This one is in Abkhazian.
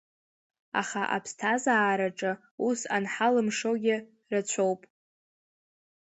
Аха аԥсҭазаараҿы ус анҳалымшогьы рацәоуп.